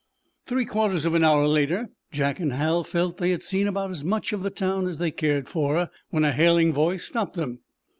Three quarters of an hour later Jack and Hal felt they had seen about as much of the town as they cared for, when a hailing voice stopped them.